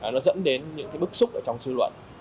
nó dẫn đến những cái bức xúc ở trong sư luận